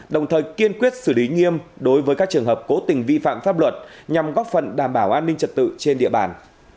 đồng thời kiên quyết xử lý nghiêm đối với các trường hợp cố tình vi phạm pháp luật nhằm góp phần đảm bảo an ninh trật tự trên địa bàn